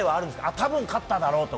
多分、勝っただろうとか。